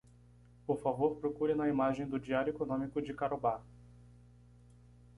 Por favor, procure na imagem do Diário Económico de Karobar.